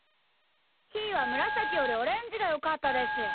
ひーはむらさきよりオレンジがよかったです。